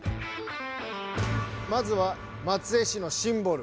まずは松江市のシンボル